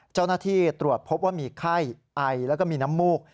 เจ้าหน้าที่ตรวจพบว่ามีไข้ไอแล้วก็มีน้ำมูก